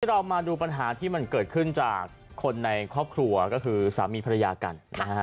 เรามาดูปัญหาที่มันเกิดขึ้นจากคนในครอบครัวก็คือสามีภรรยากันนะฮะ